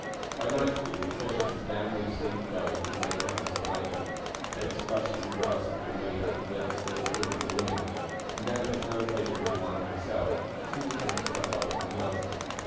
By nightfall the exertions of Dan, Lucy, and Chloe had made the house tidy. Beds of rushes and grass had been made in the room upstairs for the women, and Dan had no occasion for one for himself, as he was going to stop up with his master.